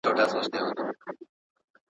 که تعلیمي ویبپاڼه وي نو ځوانان نه محرومیږي.